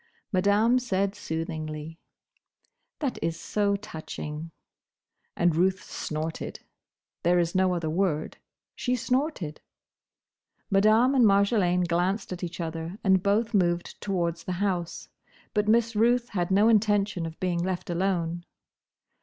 Madame said soothingly, "That is so touching!" And Ruth snorted. There is no other word. She snorted. Madame and Marjolaine glanced at each other, and both moved towards the house. But Miss Ruth had no intention of being left alone.